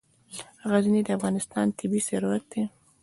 غزني د افغانستان طبعي ثروت دی.